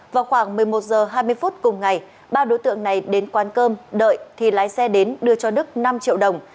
vào khoảng một mươi một h hai mươi phút cùng ngày ba đối tượng này đến quán cơm đợi thì lái xe đến đưa cho đức năm triệu đồng